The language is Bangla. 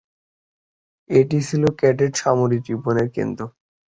এটি ছিল ক্যাডেট সামরিক জীবনের কেন্দ্র।